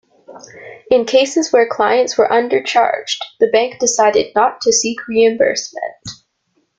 In cases where clients were undercharged, the bank decided not to seek reimbursement.